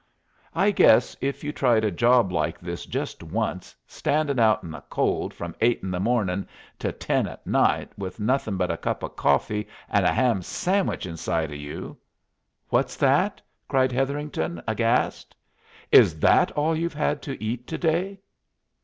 "I guess if you tried a job like this just once, standin' out in the cold from eight in the mornin' to ten at night, with nothin' but a cup o' coffee and a ham sandwich inside o' you " "What's that?" cried Hetherington, aghast. "Is that all you've had to eat to day?"